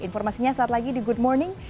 informasinya saat lagi di good morning